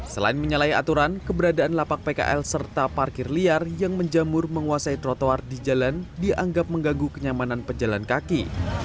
selain menyalahi aturan keberadaan lapak pkl serta parkir liar yang menjamur menguasai trotoar di jalan dianggap mengganggu kenyamanan pejalan kaki